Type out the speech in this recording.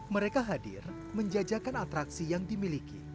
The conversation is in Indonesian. mereka hadir menjajakan atraksi yang dimiliki